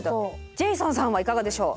ジェイソンさんはいかがでしょう？